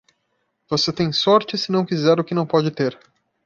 Você tem sorte se não quiser o que não pode ter.